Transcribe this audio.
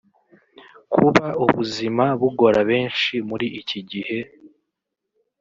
Kuba ubuzima bugora benshi muri iki gihe